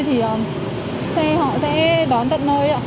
thì xe họ sẽ đón tận nơi